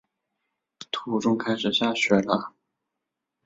途中开始下雪了